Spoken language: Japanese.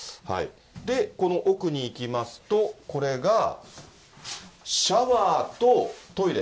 この奥に行きますと、これがシャワーとトイレ。